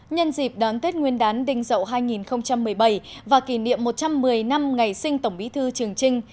nhân dịp đón tết nguyên đán đình dậu hai nghìn một mươi bảy và kỷ niệm một trăm một mươi năm ngày sinh tổng bí thư trường trinh